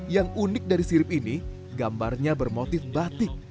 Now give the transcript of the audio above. yang unik dari sirip ini gambarnya bermotif batik